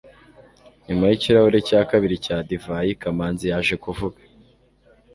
nyuma yikirahure cya kabiri cya divayi, kamanzi yaje kuvuga